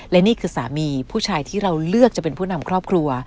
และนี่คือสามีผู้ชายที่เราเลือกจะเป็นผู้นำครอบครัว